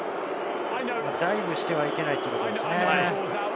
ダイブしてはいけないということですね。